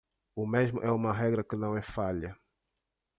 O mesmo é uma regra que não é falha.